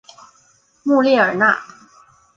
穆列尔讷。